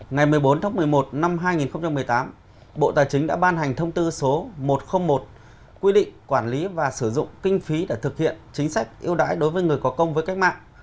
ngày một mươi bốn tháng một mươi một năm hai nghìn một mươi tám bộ tài chính đã ban hành thông tư số một trăm linh một quy định quản lý và sử dụng kinh phí để thực hiện chính sách yêu đãi đối với người có công với cách mạng